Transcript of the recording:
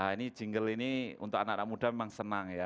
ini jingle ini untuk anak anak muda memang senang ya